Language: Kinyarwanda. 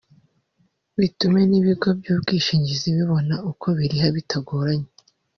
bitume n’ibigo by’ubwishingizi bibona uko biriha bitagoranye